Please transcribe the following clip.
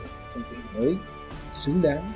trong kỷ niệm mới xứng đáng